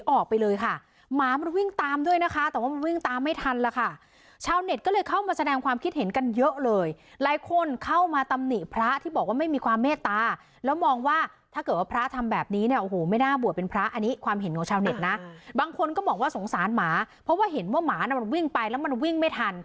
ออกไปเลยค่ะหมามันวิ่งตามด้วยนะคะแต่ว่ามันวิ่งตามไม่ทันแล้วค่ะชาวเน็ตก็เลยเข้ามาแสดงความคิดเห็นกันเยอะเลยหลายคนเข้ามาตำหนิพระที่บอกว่าไม่มีความเมตตาแล้วมองว่าถ้าเกิดว่าพระทำแบบนี้เนี่ยโอ้โหไม่น่าบวชเป็นพระอันนี้ความเห็นของชาวเน็ตนะบางคนก็บอกว่าสงสารหมาเพราะว่าเห็นว่าหมาน่ะมันวิ่งไปแล้วมันวิ่งไม่ทัน